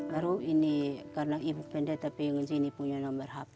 baru ini karena ibu pendeta pengen ini punya nomor hp